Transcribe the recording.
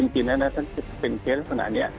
จริงนะครับแต่เป็นสิ่งเกดขนาดนี้